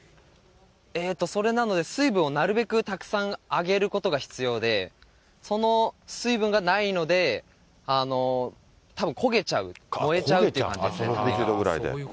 それなので、水分をなるべくたくさんあげることが必要で、その水分がないので、たぶん焦げちゃう、燃えちゃうって感じですね。